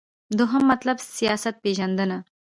دوهم مطلب : سیاست پیژندنه